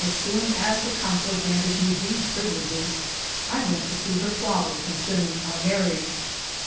So, as soon as the council granted me these privileges I went to see her father concern ing our marriage.